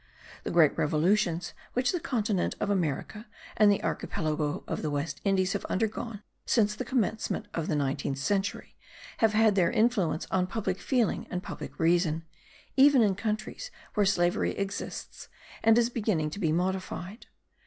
The great revolutions which the continent of America and the Archipelago of the West Indies have undergone since the commencement of the nineteenth century, have had their influence on public feeling and public reason, even in countries where slavery exists and is beginning to be modified.